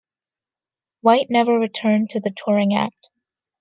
Whyte never returned to the touring act.